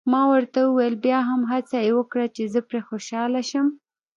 ما ورته وویل: بیا هم هڅه یې وکړه، چې زه پرې خوشحاله شم.